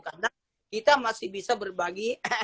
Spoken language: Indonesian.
karena kita masih bisa berbagi